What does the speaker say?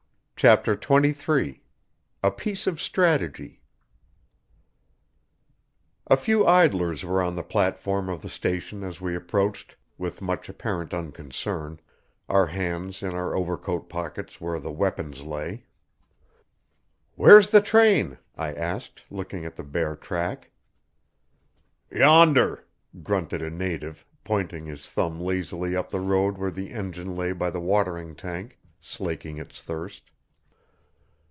CHAPTER XXIII A PIECE OF STRATEGY A few idlers were on the platform of the station as we approached with much apparent unconcern, our hands in our overcoat pockets where the weapons lay. "Where's the train?" I asked, looking at the bare track. "Yonder," grunted a native, pointing his thumb lazily up the road where the engine lay by the watering tank, slaking its thirst.